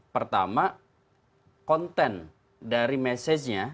pertama konten dari message nya